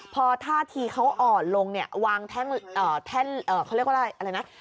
พอท่าทีเขาอ่อนลงเนี่ยวางแท่นเขาเรียกว่าอะไรนะ